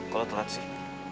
kok lo telat sih